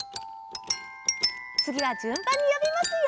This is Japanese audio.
つぎはじゅんばんによびますよ。